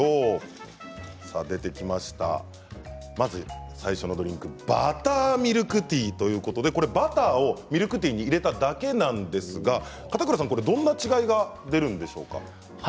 まず最初のドリンクバターミルクティーということでバターをミルクティーに入れただけなんですが片倉さん、どんな違いが出るんでしょうか？